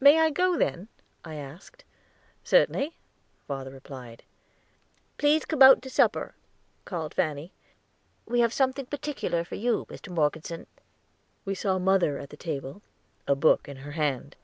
"May I go then?" I asked. "Certainly," father replied. "Please come out to supper," called Fanny. "We have something particular for you, Mr. Morgeson." We saw mother at the table, a book in her hand.